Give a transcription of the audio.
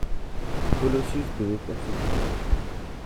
Colossus devait faire ses choix